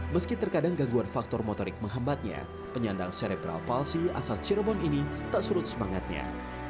meski terkadang gangguan faktor motorik menghambatnya penyandang serebral palsi asal cirebon ini tak surut semangatnya